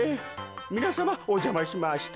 みなさまおじゃましました。